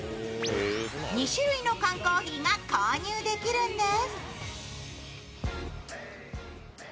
２種類の缶コーヒーが購入できるんです。